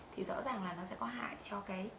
thì rõ ràng là nó sẽ có hại cho cái